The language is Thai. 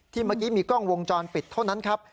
เมื่อกี้มีกล้องวงจรปิดเท่านั้นครับ